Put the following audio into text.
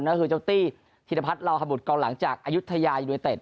ก็คือเจ้าตี้ธิรพัฒนลาวฮบุตรกองหลังจากอายุทยายูเนเต็ด